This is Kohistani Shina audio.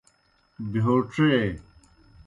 بہیو ڇے۔